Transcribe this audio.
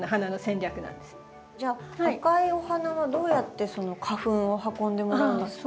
じゃあ赤いお花はどうやって花粉を運んでもらうんですか？